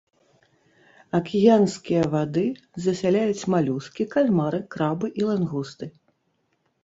Акіянскія вады засяляюць малюскі, кальмары, крабы і лангусты.